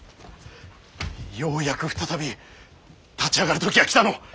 ようやく再び立ち上がる時が来たのう。